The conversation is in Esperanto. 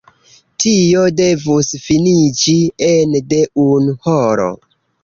Tio devus finiĝi ene de unu horo.